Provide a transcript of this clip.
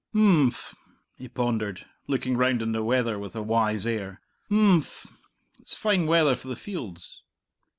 "Imphm," he pondered, looking round on the weather with a wise air; "imphm; it's fine weather for the fields."